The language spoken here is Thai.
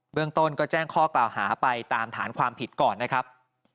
เมืองต้นก็แจ้งข้อกล่าวหาไปตามฐานความผิดก่อนนะครับ